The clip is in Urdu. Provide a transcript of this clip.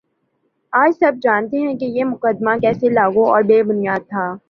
آج سب جانتے ہیں کہ یہ مقدمہ کیسا لغو اور بے بنیادتھا